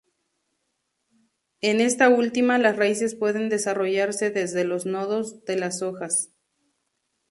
En esta última, las raíces pueden desarrollarse desde los nodos de las hojas.